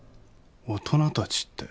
大人たちって？